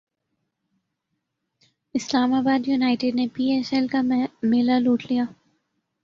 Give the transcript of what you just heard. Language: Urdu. اسلام باد یونائٹیڈ نے پی ایس ایل کا میلہ لوٹ لیا